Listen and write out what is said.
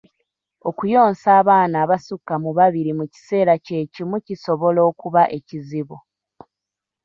Okuyonsa abaana abasukka mu babiri mu kiseera kye kimu kisobola okuba ekizibu.